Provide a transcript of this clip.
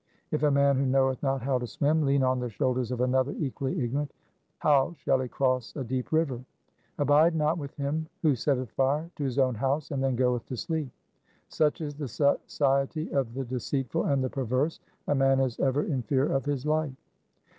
If a man who knoweth not how to swim, lean on the shoulders of another equally ignorant, how shall he cross a deep river ? Abide not with him who setteth fire to his own house, and then goeth to sleep. Such is the society of the deceitful and the perverse. A man is ever in fear of his life.